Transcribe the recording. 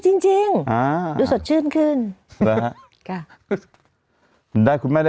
จริงจริงอ่าดูสดชื่นขึ้นนะฮะค่ะได้คุณแม่ได้